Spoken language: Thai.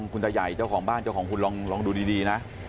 คุณตาใหญ่เจ้าของบ้านเจ้าของคุณลองดูดีนะ